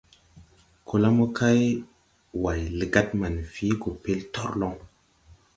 Ko la mokay, Way legad manfii gɔ pɛl torloŋ.